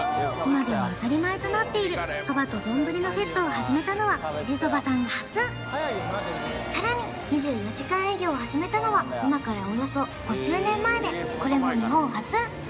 今では当たり前となっているそばと丼のセットを始めたのは富士そばさんが初さらに２４時間営業を始めたのは今からおよそ５０年前でこれも日本初！